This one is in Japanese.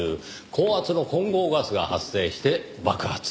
高圧の混合ガスが発生して爆発。